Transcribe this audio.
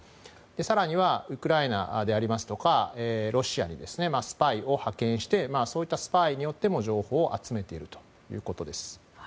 更にはウクライナでありますとかロシアにスパイを派遣してそういったスパイによっても情報を集めているということです。